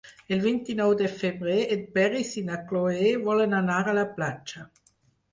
El vint-i-nou de febrer en Peris i na Cloè volen anar a la platja.